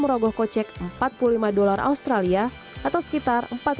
pengunjung yang berfoto di dalam gua dilarang menggunakan tongsis atau monopod